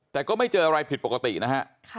แต่ก็ไม่เจออะไรผิดปกตินะฮะ